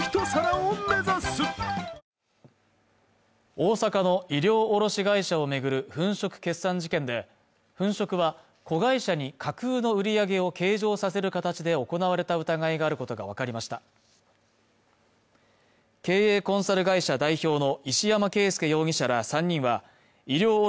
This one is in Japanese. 大阪の衣料卸会社をめぐる粉飾決算事件で粉飾は子会社に架空の売り上げを計上させる形で行われた疑いがあることが分かりました経営コンサル会社代表の石山恵介容疑者ら３人は衣料卸